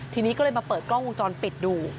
ทีนี้ก็เลยมาเปิดกล้องวงจรปิดดู